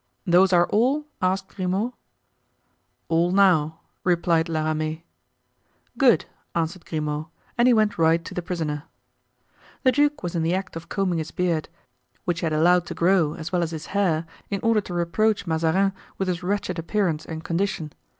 "Those are all?" asked Grimaud. "All now," replied La Ramee. "Good," answered Grimaud; and he went right to the prisoner. The duke was in the act of combing his beard, which he had allowed to grow, as well as his hair, in order to reproach Mazarin with his wretched appearance and condition.